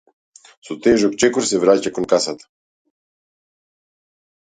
Со тежок чекор се враќа кон касата.